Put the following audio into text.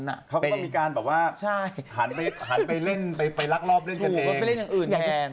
มันก็ต้องมีการหันไปเล่นไปรักรอบเล่นกระเทง